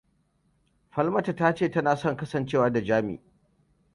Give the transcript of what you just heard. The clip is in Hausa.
Falmata ta ce tana son kasancewa da Jami.